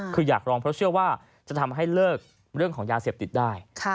คืออยากลองเพราะเชื่อว่าจะทำให้เลิกเรื่องของยาเสพติดได้